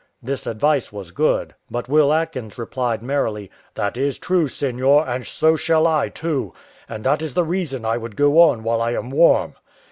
This advice was good: but Will Atkins replied merrily, "That is true, seignior, and so shall I too; and that is the reason I would go on while I am warm."